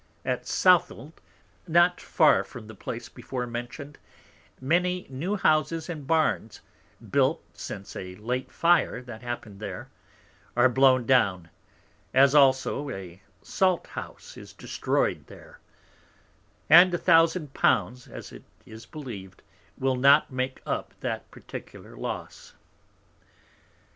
At Southold not far from the Place before mentioned, many new Houses and Barns (built since a late Fire that happened there) are blown down; as also a Salt house is destroyed there: and a thousand Pounds, as it is believed, will not make up that particular Loss.